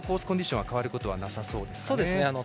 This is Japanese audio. コンディションは変わることはなさそうですかね。